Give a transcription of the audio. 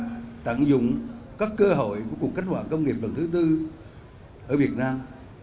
và tặng dụng các cơ hội của cuộc cách hoạt công nghiệp bằng thứ tư ở việt nam